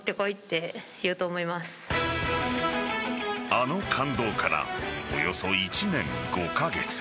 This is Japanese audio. あの感動からおよそ１年５カ月。